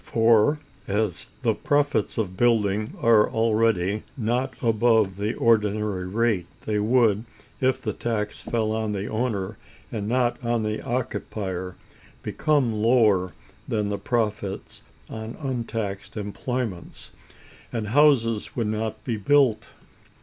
For, as the profits of building are already not above the ordinary rate, they would, if the tax fell on the owner and not on the occupier, become lower than the profits of untaxed employments, and houses would not be built.